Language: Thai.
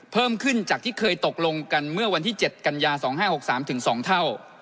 เพิ่มขึ้นจากที่เคยตกลงกันเมื่อวันที่เจ็ดกันยาสองห้าหกสามถึงสองเท่า